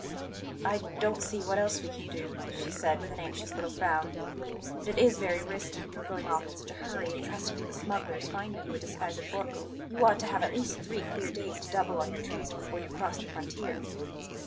"I don't see what else we can do," she said, with an anxious little frown; "but it is very risky, your going off in such a hurry and trusting to the smugglers finding you a disguise at Borgo. You ought to have at least three clear days to double on your trace before you cross the frontier."